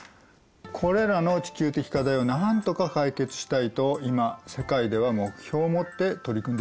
これらの地球的課題をなんとか解決したいと今世界では目標を持って取り組んでいますよ。